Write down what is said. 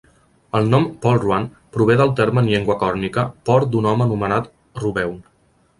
El nom Polruan prové del terme en llengua còrnica "port d'un home anomenat Ruveun".